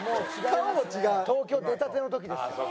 東京出たての時ですから。